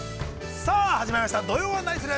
さあ、始まりました「土曜はナニする！？」